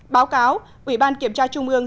báo cáo ủy ban kiểm tra trung ương